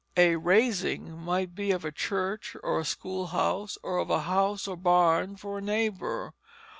A "raising" might be of a church or a school house, or of a house or barn for a neighbor.